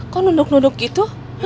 kok nunduk nunduk gitu